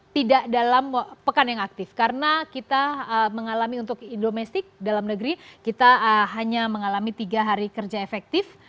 tidak dalam pekan yang aktif karena kita mengalami untuk domestik dalam negeri kita hanya mengalami tiga hari kerja efektif